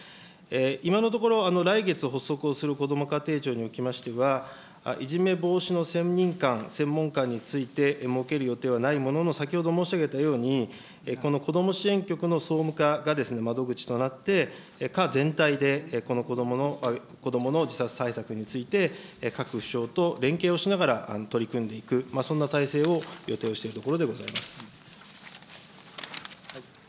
今のところ、来月発足をするこども家庭庁におきましては、いじめ防止の専任官、専門官について設ける予定はないものの、先ほど申し上げたように、このこども支援局の総務課が窓口となって、課全体でこの子どもの自殺対策について、各府省と連携をしながら、取り組んでいく、そんな体制を予定をしているところでございます。